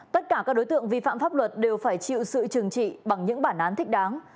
tất cả các đối tượng vi phạm pháp luật đều phải chịu sự trừng trị bằng những bản án thích đáng